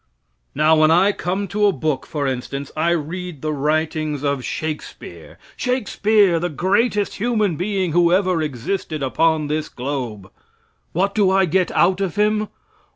Now when I come to a book, for instance, I read the writings of Shakespeare Shakespeare, the greatest human being who ever existed upon this globe. What do I get out of him?